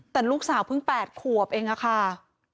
แต่ลูกสาวเพิ่ง๘ขวบเองอะค่ะ